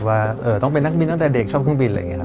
ว่าต้องเป็นนักบินตั้งแต่เด็กชอบเครื่องบิน